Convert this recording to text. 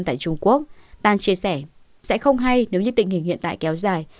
tại trung quốc tan chia sẻ sẽ không hay nếu như tình hình hiện tại kéo dài